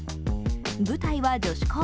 舞台は女子校。